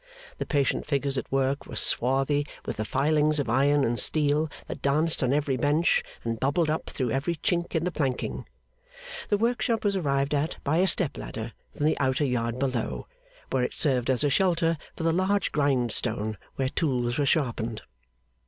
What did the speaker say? The patient figures at work were swarthy with the filings of iron and steel that danced on every bench and bubbled up through every chink in the planking. The workshop was arrived at by a step ladder from the outer yard below, where it served as a shelter for the large grindstone where tools were sharpened.